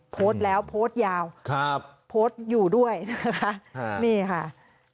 โพสต์แล้วโพสต์ยาวครับโพสต์อยู่ด้วยนะคะนี่ค่ะ